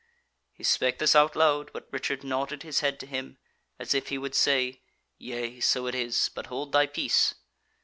He spake this out loud, but Richard nodded his head to him, as if he would say: "Yea, so it is; but hold thy peace."